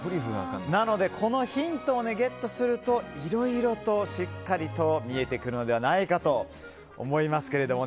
なのでこのヒントをゲットするといろいろしっかり見えてくるのではと思います。